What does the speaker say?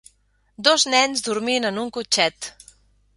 Dos nens dormint en un cotxet.